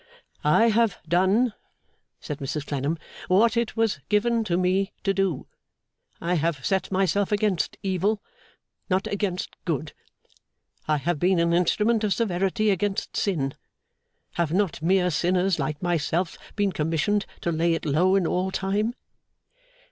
'I have done,' said Mrs Clennam, 'what it was given to me to do. I have set myself against evil; not against good. I have been an instrument of severity against sin. Have not mere sinners like myself been commissioned to lay it low in all time?